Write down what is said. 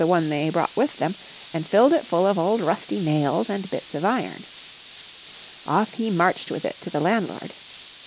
one they brought with them, and filled it full of old rusty nails and bits of iron. Off he marched with it to the landlord.